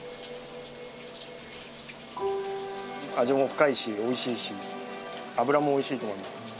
味も深いし美味しいし脂も美味しいと思います。